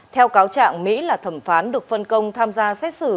theo cáo trạng mỹ là thẩm phán được phân công tham gia xét xử